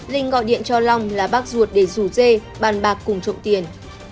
linh gọi điện cho long là bác ruột để rủ dê bàn bạc cùng trộm tiền